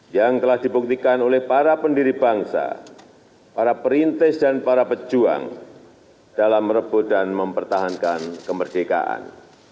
yang telah dibuktikan oleh para pendiri bangsa para perintis dan para pejuang dalam merebut dan mempertahankan kemerdekaan